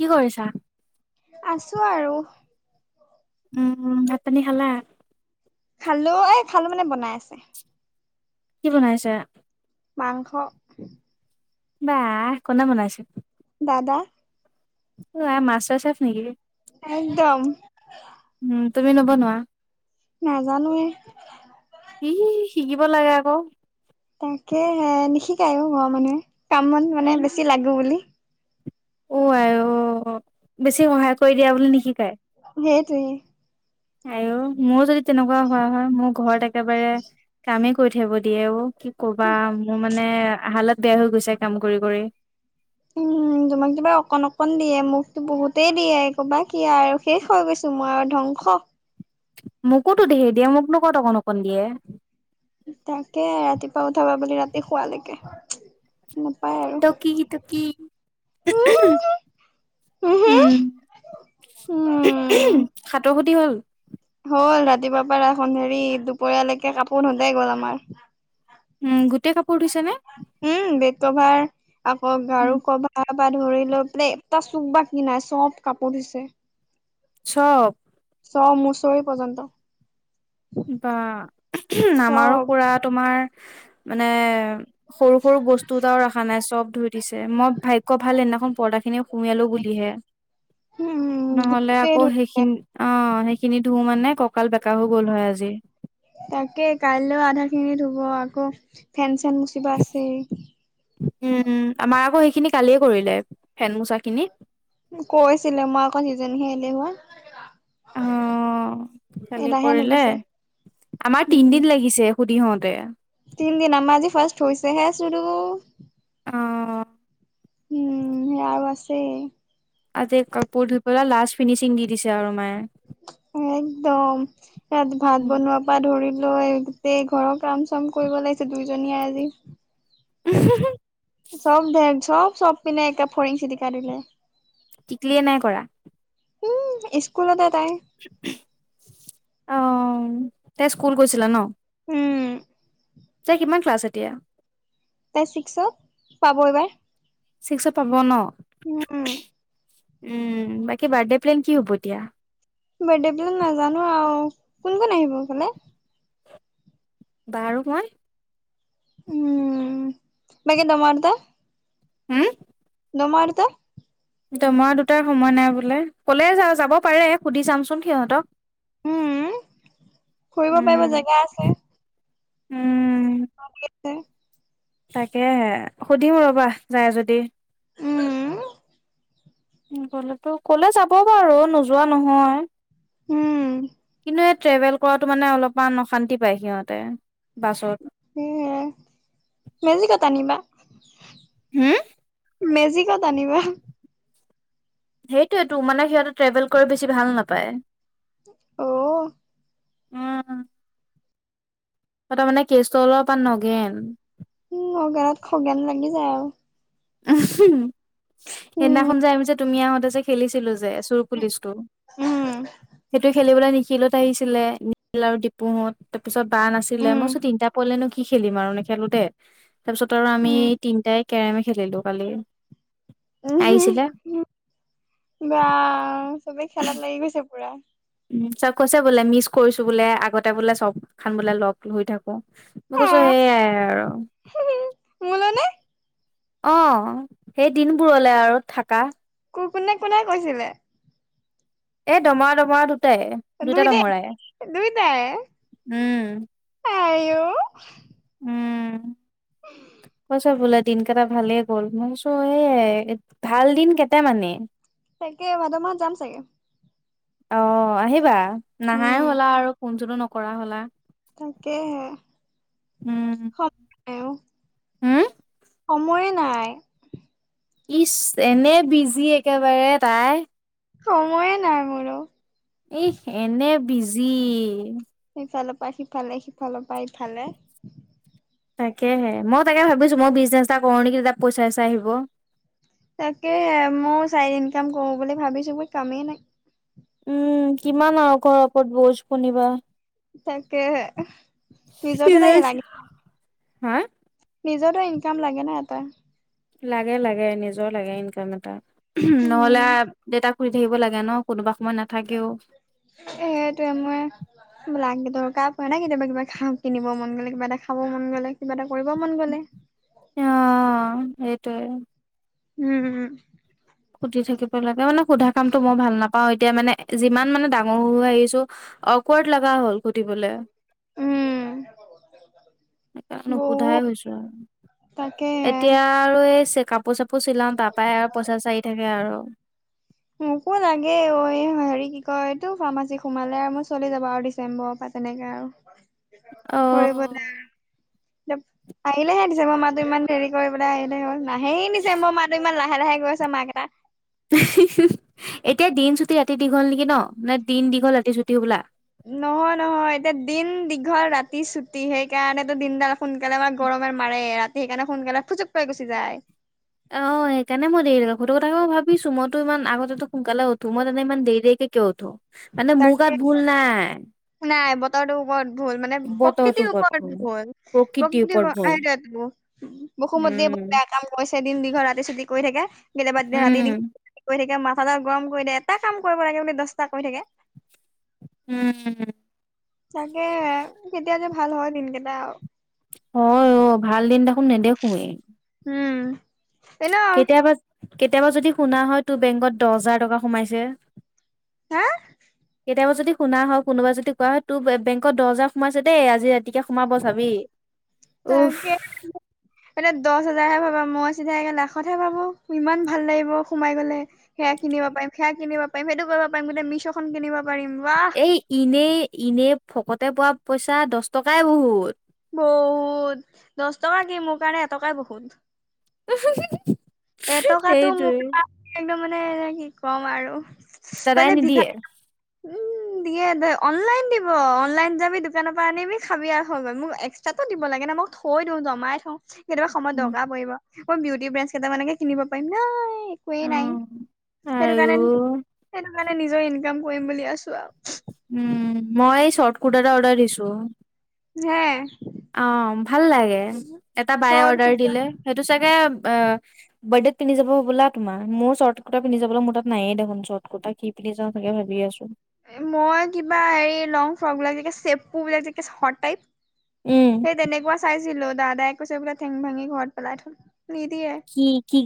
কি কৰিছা? আছো আৰু উম! উম! ভাত-পানী খালা। খালো এই খালো মানে বনাই আছে কি বনাইছা। মাংস বাহ কোনে বনাইছে দাদা অ মাষ্টাৰ চেফ নেকি? একদম উম, তুমি নবনোৱা। নাজানো। কৰিব লাগে আকৌ। তাকে হে নিশিকায় ঘৰৰ মানুহে কাম মন মানে বেছি লাগো বুলি আৰু বেছি সহায় কৰি দিয়া বুলি নিশিকায়। সেইটোৱে। আয়ো মোৰ যদি তেনেকুৱা হোৱা হয় মোৰ ঘৰত একেবাৰে কামেই কৰি থাকিব দিয়ে অ। কি কবা মোৰ মানে হালত বেয়া হৈ গৈছে কাম কৰি কৰি উম। তোমাক কিবা অকণ অকণ দিয়ে মোকতো বহুতেই দিয়ে ক'ৰবা কিিয় আৰু শেষ হৈ গৈছো মই আৰু ধংস। খ মোকোতো দেহে দিয়ে মোকনো ক অকণ অকণ দিয়ে। তাকে ৰাতিপুৱা উঠাবা বুলি ৰাতি শোৱালৈকে। টকি টকী উম। উম সাঁতৰ প্ৰতি হ'ল। হ'ল ৰাতিপুৱা পৰা এখন হেৰি দুপৰীয়ালৈকে কাপোৰ ধুতেই গ'ল আমাৰ। উম গোটেই কাপোৰ ধুইছে নে উম বেড কভাৰ আকৌ গাৰু উম, কভাৰ। পা ধৰি লৈ পেললে এটা চুক বা কিনাই চফ্ট কাপোৰ ধুইছে। চব। ছমচৰি পৰ্যন্ত। বা আমাৰো চব পুৰা তোমাৰ মানে সৰু সৰু বস্তু এটাও ৰখা নাই চব ধুই দিছে মই ভাগ্য ভাল সেইদিনাখন পদা সেইখিনি সুমালো বুলিহে [inaudible] নহ'লে গোটেই আকৌ ধুইছে। সেইখিনি অ সেইখিনি ধুও মানে কঁকাল বেকা হৈ গ'ল হয় আজি তাকে কাইলেও আধা খিনি ধুব আকৌ ফেন এইখন মুচিবা আছেই। উম! উম! আমাৰ আকৌ সেইখিনি কালিয়ে কৰিলে ফেন মোচা খিনি। কৈছিলিলে মক চিজনহে এলে হা অ খালি কৰিলে নুগুছে আমাৰ উম। তিনদিন লাগিছে খুড়ীহতে থৈছেহে চো অ উম! সেয়া আৰু আছেই। আজি কাপোৰ ধুই পেলাই লাষ্ট ফিনিচিং দি দিছে আৰু মায়ে। একদম ইয়াত ভাত বনোৱাৰ পৰা ধৰিলো লৈ গোটেই ঘৰৰ কাম চাম কৰিব লাগিছে দুইজনীয়ে আজি উ [inaudible] চব ধে চব চব পিনে একে ফৰিং চিটিকা দিলে। টিকলিয়ে নাই কৰা উম! স্কুলতে তাই অ তাই স্কুল গৈছিলা ন। উম তই কিমান ক্লাছ এতিয়া। তাই ছিক্সত পাব এইবাৰ। ছিক্সত পাব ন। উম উম বাকী বাৰ্থডে প্লেন কি হ'ব এতিয়া? বাৰ্থডে বিলাক নাজানো আৰু কোন, কোন আহিব সেই ফালে? বা আৰু মই। উম মাকে ন মাৰদা হোম। নমৰাদুতা এয়া মই দুটাৰ সময় নাই বোলে কলে যা যাব পাৰে সুধি চামচোন সিহঁতক উম ফুৰিব পাৰিব উম জেগা আছে উম তাকেহে সুধিম ৰবা যায় যদি। উম হলেতো কলে যাব বাৰু নোযোৱা নহয়। উম! হেই ট্ৰেভেল কৰাটো মানে অলপমান অশান্তি পায় সিহঁতে। বাছত স মেজিকত আনিবা হোম মেজিকত আনিবা সেইটোয়ো মানে সিহঁতে ট্ৰেভেল কৰি বেছি ভাল নাপায় আহ উম! তাৰমানে কেচটো অলপমান নগেন উম সগনত খগেন লাগি যায় আৰু উমহো, উম সেইদিনাখন যে আমি যে তুমি আহোঁতে যে খেলিছিলোঁ যে যে চোৰ পুলিচটো সেইটো খেলিবলৈ নিখিলহত আহিছিলে নিখিল আৰু ডিপুহত তাৰ পিছত বাৰ নাছিলে উম মই কৈছো তিনিটা পৰিলে নো কি খেল খেলিম আৰু নে খেলোতে তাৰপিছত আৰু আমি উম তিনিটাই কেৰামি খেলিলোঁ কালি, উম আহিছিলে উম বা চবে খেলাত লাগি গৈছে পুৰা। উ চব কৈছে বোলে মিছ কৰিছো বোলে আগতে বোলে চব খান বোলে লগ লই থাকো মই কৈছোঁ আহ সেইয়াই আৰু। মোলৈ নে অ সেই দিনবোৰলে আৰু থাকা। ক, কোনে, কোনে, কৈছিলে? এ দমাৰা দমাৰা দু দুটাই দুটা দুইটাই তামৰাই উম আঔ কচ বোল দিন কেইটা ভালেই গ'ল মইছো এ ভাল দিন কেইটামানে তাকে ভাদ মাহত যাম চাগে। অ আহিবা নাহাই উম হ'লা আৰু ফোন চোনটো নকৰা হলা তাকেহে উম! আও হম সময়েই নাই। ইচ এনে বিজি একেবাৰে তাই সময়ে নাই মোৰো এ এনে বিজি সিফালৰ পৰা সিফালে, সিফালৰ পৰা ইফালে। তাকেহে মই তাকে ভাবিছোঁ মই বিজনেছ এটা কৰোঁ নেকি তাত পইচা-চইছা আহিব। তাকে মই চাই ইনকাম কৰো বুলি ভাবিছো মই কামেই নাই। উম কিমান আৰু ঘৰ ওপৰত বজ কোনিব তাকেহে নিজৰো তাইে লাগে হা! নিজৰটো ইনকাম লাগে ন এটা ৷ লাগে-লাগে নিজৰ লাগে ইনকাম এটা নহলে উম আৰ দেতাক জি থাকিব লাগে ন কোনোবা সময় নাথাকেও সেইটোৱেই মই লাগে দৰকাৰ পৰে নাই কেতিয়াবা-কেতিয়াবা কিবা খা কিনিব মন গলে কিবা এটা খাব মন গলে কিবা এটা কৰিব মন গলে। অ সেইটোৱে৷ উম-উম-উম সুধি থাকিব লাগে মানে সোধা কামটো মই ভাল নাপাওঁ এতিয়া মানে যিমান মানে ডাঙৰ হৈ আহিছো অকৱাৰ্ড লগা হ'ল সুধিবলৈ ৷ উম! সেই [unintelligible] নুসোধাই বহুত হৈছো আৰু তাকে এতিয়া আৰু এই চে কাপোৰ-চাপোৰ কাপোৰ চিলাও তাৰপাই আৰু পইচা চাৰি থাকে আৰু ৷ মোকো লাগে অঐ হেৰি কি কয় এইটো ফাৰ্মাচী সোমালে আৰু মোৰ চলি যাব আৰু ডিচেম্বৰৰ পা তেনেকে আৰু অ'। কৰিব য আৰু [unintelligible] আহিলেহে মই [unintelligible] মাহটো ইমান দেৰি কৰে বোলে আহিলে হ'ল নাহেই নিজে মই মাতো ইমান লাহে [unintelligible] লাহে-লাহে গৈছে মাহকেটা এতিয়া দিন চুটি ৰাতি দীঘল নেকি ন নে দিন দীঘল ৰাতি চুটি হবলা ৷ নহয়-নহয় এতিয়া দিন দীঘল ৰাতি ছুটি সেইকাৰণেতো দিনডাল সোনকালে আমাৰ গৰমে মাৰে ৰাতি সেইকাৰণে সোনকালে ফুচুক পুৱাই গুচি যায় ৷ অ সেইকাৰণে মই দেৰিলেকে শুই থাকো মই তাকে ভাবিছো মইতো ইমান আগতেতু মই সোনকালে উঠো মই তে ইমান দেৰি-দেৰি কে তে উঠো মানে মো তাকে গাত ভুল নাই নাই বতৰটোৰ ওপৰত ভুল মানে প্ৰকৃতিৰ ওপৰত ভুল প্ৰকৃতিৰ ওপৰত ভুল সেইটোৱে তু [unintelligible] বসুমতীয়ে বহুত উম বেয়া কাম কৰিছে ৷ সেইদিন দীঘল ৰাতি ছুটি কৰি থাকে কেতিয়াবা দি ৰাতি উম [unintelligible] কৰি থাকে মা [unintelligible] [unintelligible] গৰম কৰি দে এটা কাম কৰিব লাগে দহটা কৰি থাকে। উম! তাকে কেতিয়া যে ভাল হয় দিনকেইটা ৷ হয় ঐ ভাল দিন দেখোন নেদেখুৱেই। উম এনেও কেতিয়াবা-কেতিয়াবা যদি শুনা হয় তোৰ বেংকত দহ হাজাৰ টকা সোমাইছে। হা! তেওঁ যদি শুনা হয় কোনোবা যদি কোৱা হয় তোৰ বেংকত দহ হজাৰ সোমাইছে দেই আজি ৰাত উফ তাকে [unintelligible] এটা দহ হাজাৰ হে ভাবক। মই চিধাই লাখতহে ভাবো ইমান ভাল লাগিব সোমাই গলে সেয়া কিনিব পাৰিম সেয়া কিনিব পাৰিম। সেইটো কৰিব পাৰিম মিছখন কিনিব পাৰিম বাহ এই ইনেই-ইনেই ফকতে পোৱা পইচা দহ টকাই বহুত। বহুত দহ টকা কি মোৰ কাৰণে এটকাই বহুত ৷ [unintelligible] এটকাতটো সেইটোৱে মোৰ [unintelligible] একদম মানে এনে কি কম আৰু৷ দাদায়ে মানে নিদিয়ে? ভিক্ষাৰী উম! দিয়ে দে অনলাইন দিব অনলাইন যাবি দোকানৰ পৰা আনিবি খাবি আৰু হৈ গ'ল মোক এক্সট্ৰাকো দিব লাগে ন ম মই থৈ দিওঁ জমাই থওঁ। কেতিয়াবা সময়ত দৰকাৰ পৰিব মই বিউটি ব্ৰেঞ্চকেইটা মানকে কিনিব পাৰিম ধেই অ একোৱেই নাই সেইটো আৰু কাৰণে, সেইটো কাৰণে নিজৰ ইনকাম কৰিম বুলি আছো আৰু। কোৰ্টা এটা অডাৰ দিছো হে অ ভাল লাগে এটা বায়ে চৰ্ট অৰ্ডাৰ কুৰ্তা দিলে সেইটো চাগে অ বাৰ্ডেত পিন্ধি যাব হবলা তোমাৰ মোৰ চৰ্ট কুৰ্টা পিন্ধিা যাবলৈ মোৰ তাত নায়েই দেখোন চৰ্ট কুৰ্টা কি পিন্ধিা যাওঁ এনে ভাবি আছো৷ মই কিবা হেৰি লং ফ্ৰক বিলাক যে সেপ বিলাক যেটাই উম সেই তেনেকুৱা চাইছিলো দাদাই কৈছেবোলে ঠেং ভাঙি ঘৰত পেলাই থম কি কি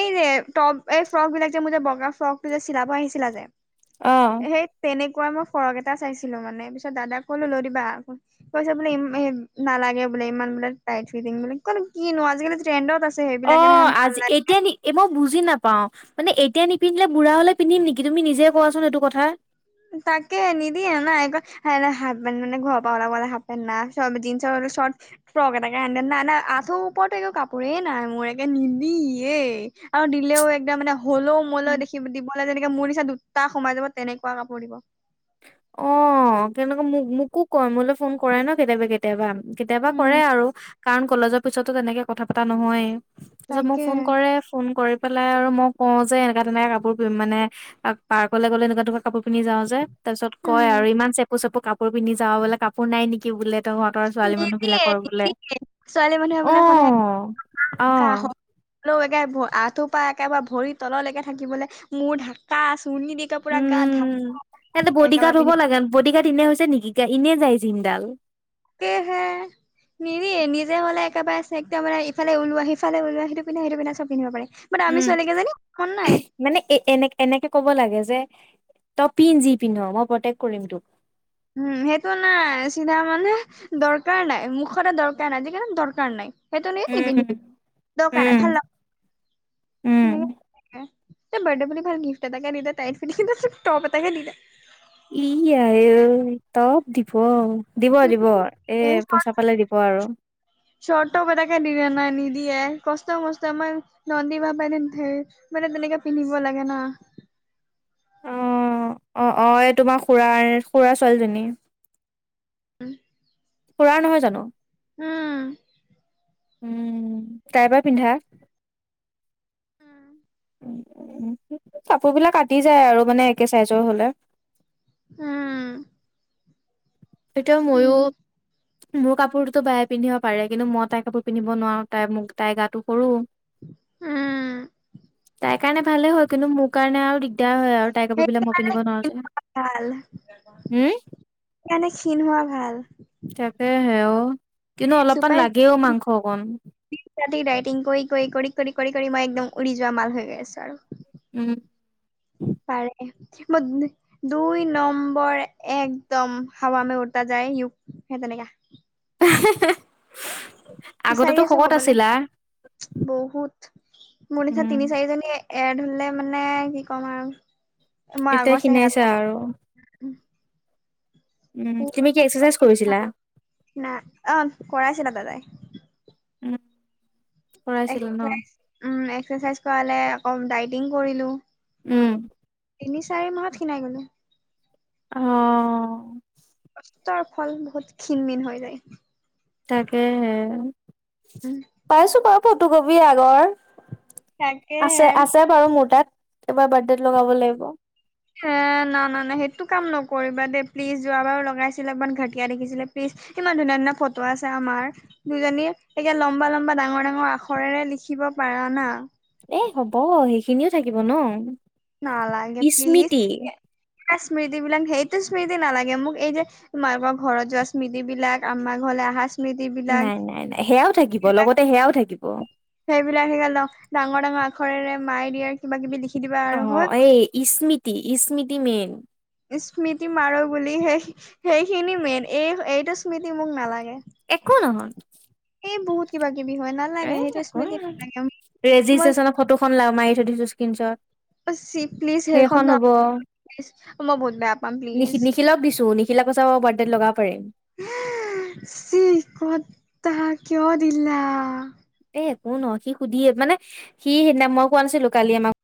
এই যে মোৰ বগা ফ্ৰকটো যেচিলাব আহিছিলা যে। অ', সেই তেনেকে ঐ মই ফৰক এটা চাইছিলো মানে। পিছত দাদাক কলো লৈ দিবা কৈছে বোলে ই নালাগে। ব ইমান বোলে টাইট ফিটিং [unintelligible] কিনো আৰু আজিকালি ট্ৰেনড [unintelligible] অ আজি এতিয়া মই বুজি নাপাও মানে এতিয়া নিপিন্ধে বুঢ়া হলে পিন্ধিম নেকি তুমি নিজে কোৱাচোন এইটো কথা তাকে নিদিয়ে নাই হেন মানে ঘৰৰ পৰা ওলাবলে হালফ পেন না চব জিনচৰ চৰ্ট ফ্ৰক এটাকে আনিদে নাই না আঁঠৰ ওপৰতো একো কাপোৰে নাই মোৰ একে নিদিয়ে আৰু দিলেও একদম মানে হ'লেও মোলেও উম দেখিব দিব লাগে যেনেকে মোৰ নিচনা দুটা সোমাই যাব তেনেক পৰা কাপোৰ দিব অ কেনেকে মোক মোকো কয় মোলৈ ফোন কৰাই ন কেতিয়াবা কেতিয়াবা কেতিয়াবা কৰে উম আৰু কাৰণ কলেজৰ পিছতো তেনেকে কথা পতা নহয়েই তাৰপিছত মোক তাকে ফোন কৰে ফোন কৰি এইফালে মই কওঁ যে এনেকা-তেনেকা কাপোৰ কৰিম মানে পাৰ্কলৈ গ'লে এনেকুৱা-এনেকুৱা কাপোৰ পিন্ধি যাওঁ। তাৰ পিছত কয় উম আৰু ইমান চেপু-চেপু কাপোৰ পিন্ধি যাওঁ বোলে কাপোৰ নাই নেকি বোলে। তহঁতৰ ছোৱালী মানুহ নিদিয়ে বিলাকৰ বোলে নিদিয়ে ছোৱালী মানুহে বোলে সদায় অ', কাহ অ', হয় আৰু একে আঁঠুৰপা একেবাৰে ভৰি তললৈকে থাকিবলৈ মোৰ ঢাকা আ উম তেতিয়া হ'লে গাৰ্ড একেবাৰে পিন্ধি হব লাগে বডি গাৰ্ড এনে হৈছে নেকি। এতিয়া এনেই যাই দিনডাল। এ [unintelligible] হে [unintelligible] নিৰি নিজে হলে একেবাৰে আ একম মানে ইফালে ওলোৱা সি ফালে ওলোৱা সেইটো পিন্ধা এইটো পিন্ধা চব পিন্ধিব পাৰে [unintelligible] উম ছোৱালীকেইজনী মন নাই মানে এ এনে এনেকে কব লাগে যে তই পিন্ধি যি পিন্ধ মই প্ৰটেক্ট কৰিম তোক। উম সেইটো নাই চিধা মানে দৰকাৰ নাই মুখ কৰা দৰকাৰ নাই যে দৰকাৰ নাই। সেইটো নিপিন্ধিবি উম, দৰকাৰ উম, নাই ভাল নালগে উম। হেনেকে হে বাৰ্থডে বুলি ভাল গিফট এটা দিলে তাইক কিন্তু টপ এটা হে দিলে ই আই ঐ টপ দিব। দিব-দিব এ পইচা পালে দিব আৰু। দিয়ে কষ্ট-মষ্ট আমাৰ নন্দী বা পাই ধেই মানে তেনেকে পিন্ধিব লাগে ন। [inaudible] উম! অ-অ-অ এই তোমাৰ খুুড়াৰাৰ খুড়াৰা ছোৱালীজনী। উম খুড়াৰ নহয় জানো? হম উম তাইব পিন্ধা উম কাপোৰ বিলাক কাটি যায় আৰু মানে একে চাইজৰ হলে। উম এইটো ময়ো উম, মোৰ কাপোৰতোতো বাইযে পিন্ধিব পাৰে কিন্তু মই তাই কাপোৰ পিন্ধিব নোৱাৰো, তাই মোক তাই গাতটো সৰু। উম তাইৰ কাৰণে ভালেই হয়, কিন্তু মোৰ কাৰণে আৰু দিগদাৰ হয় আৰু। তাই কাপোৰ বিলাক সেইটো মই কাৰণে পিন্ধিব নোৱাৰো ক্ষীণ যো হোৱা ভাল, হম সেইকাৰণে ক্ষীণ হোৱা ভাল। তাকে হে অ কিন্তু অলপমান চুপাৰ লাগেও মাংস অকণ। ৰাতি দাইটিং কৰি কৰি কৰি মই একদম উৰি যোৱা মাল হৈ গ আছো আৰু। উম তাৰ এ, দুই নম্বৰ একদম হাৱা মে উৰ্তাযায়। য় সেই তেনেকাে [unintelligible] বিচাৰি আছো শকত হবলৈ আছিলা বহুত মোৰ নিচিনা উম তিনি চাৰিজনী এড হলে মানে কি ক'ম আৰু মই এতিয়া আগৰ চেহাত খিনাইছা হব। আৰু উম তুমি কি এক্সাৰচাইজ কৰিছিলা ন অ কৰাইছিলা দাদাই উম কৰাইছিলা ন উ এক্সেচাইজ কৰালে আকৌ ডাইটিং কৰিলো উম তিনি চাৰি মাহত খিনাই গলো অহ তাৰ ফল বহুত ক্ষীণ মীন হৈ যায়। তাকে হে উম পাইছো বাৰু ফটো কপি আগৰ তাকেহে আছে আছে বাৰু মোৰ তাত এবাৰ বাৰ্থডেত লগাব লাগিব। হ না না না সেইটো কাম নকৰিবা দেই প্লিজ, যোৱাবাৰো লগাইছিলা ইমান ঘাটিয়া দেখিছিলে, প্লিজ। ইমান ধুনীয়া ধুনীয়া ফটো আছে আমাৰ দুজনী এতিয়া লম্বা লম্বা ডাঙৰ ডাঙৰ আখৰেৰে লিখি শিকিব পাৰা ন? এ হ'ব সেইখিনিও থাকিব ন। নালাগে প্লিজ স্মৃতি স্মৃতি বিলাক সেই স্মৃতি নালাগে মোক এই যে মাৰ ঘৰত যোৱা স্মৃতি বিলাক, আমাৰ ঘৰলৈ অহা স্মৃতি বিলাক নাই নাই নাই সেয়াও থাকিব লগতে সেয়াও থাকিব। সেইবিলাক সেই গ ডাঙৰ ডাঙৰ আখৰেৰে মায়ে দিয়ে কিবা কিবি লিখি দিবা অ আৰু হৈ এই স্মৃতি স্মৃতি মেইন স্মৃতি মাৰো বুলি সেই, সেইখিনি মেইন এই এইটো স্মৃতি মোক নালাগে। একো নহয় বহুত কিবা কিবি হয় এ নালাগে সেইটো একো স্মৃতি নাই। নালাগে মই। ৰেজিষ্ট্ৰেচনৰ ফটোখন লা মাৰি থৈ দিছো স্ক্ৰীনশ্বট চি প্লিজ সেইখন। মই বহুত বেয়া পাম প্লিজ। নিখি নিখিলক দিছো নিখিলে কৈছে বাৰ্থডেত লগাব পাৰিম। চি কতা কিয় দিলা এ একো নহ সি সুধিয়ে মানে সি সেইদিনা মই কোৱা নাছিলো, কালি আমাক